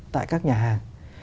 tại các nhà hàng